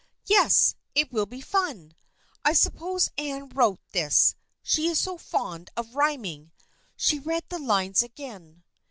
" Yes. It will be fun. I suppose Anne wrote this. She is so fond of rhyming." She read the lines again.